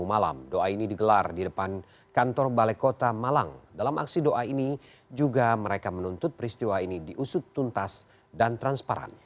aksi doa ini juga mereka menuntut peristiwa ini diusut tuntas dan transparan